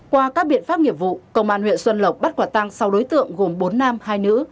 qua các biện pháp nghiệp vụ công an huyện xuân lộc bắt quả tăng sáu đối tượng gồm bốn nam hai nữ